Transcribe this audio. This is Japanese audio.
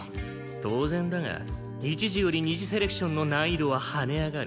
当然だが一次より二次セレクションの難易度は跳ね上がる。